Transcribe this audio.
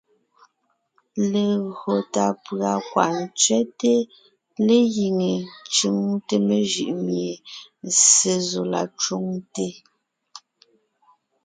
Legÿo tà pʉ̀a kwaʼ ntsẅɛ́te légíŋe ńcʉŋte mejʉʼ mie Ssé zɔ la cwoŋte,